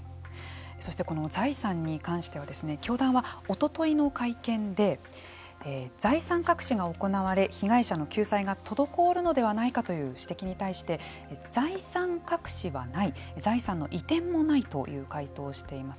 そして財産に関しては教団はおとといの会見で財産隠しが行われ被害者の救済が滞るのではないかという指摘に対して財産隠しはない財産の移転もないという回答をしています。